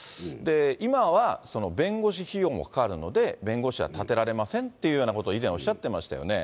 今は、弁護士費用もかかるので弁護士は立てられませんっていうようなことを、以前おっしゃってましたよね。